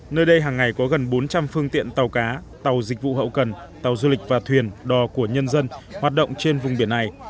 nơi đây hàng ngày có gần bốn trăm linh phương tiện tàu cá tàu dịch vụ hậu cần tàu du lịch và thuyền đò của nhân dân hoạt động trên vùng biển này